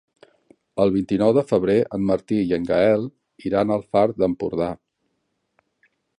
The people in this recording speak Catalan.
El vint-i-nou de febrer en Martí i en Gaël iran al Far d'Empordà.